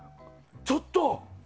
ちょっと！